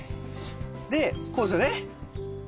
でこうですよね？